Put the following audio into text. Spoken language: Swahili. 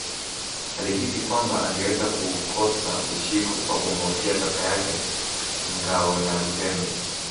Alihisi kwamba angeweza kuukosa uchifu kwa kumhofia kaka yake Ngawonalupembe